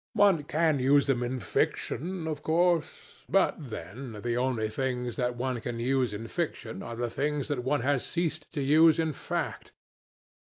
One can use them in fiction, of course. But then the only things that one can use in fiction are the things that one has ceased to use in fact.